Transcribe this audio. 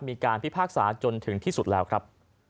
พิพากษาจนถึงที่สุดแล้วครับ